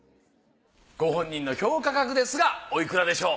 ご本人の評価額ですがおいくらでしょう？